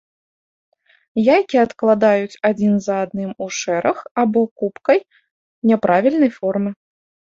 Яйкі адкладаюць адзін за адным у шэраг або купкай няправільнай формы.